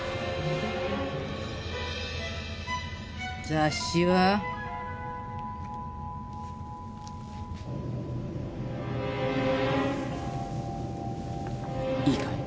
雑誌は？いいかい？